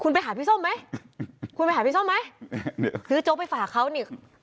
คุณไปหาพี่ส้มไหมคุณไปหาพี่ส้มไหมซื้อโจ๊กไปฝากเขานี่